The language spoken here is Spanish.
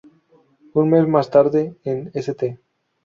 Un mes más tarde, en St.